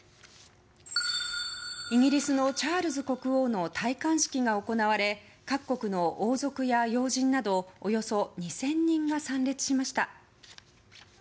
イギリスのチャールズ国王の戴冠式が行われ各国の王族や要人などおよそ２０００人が参列しました。